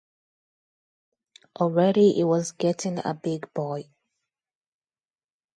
Already he was getting a big boy.